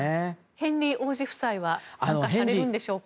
ヘンリー王子夫妻は参加されるんでしょうか。